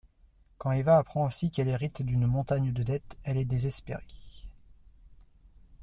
Quand Eva apprend aussi qu'elle hérite d'une montagne de dettes, elle est désespérée.